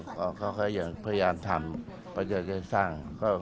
ก็แค่อย่างพยายามทำพยายามจะสร้าง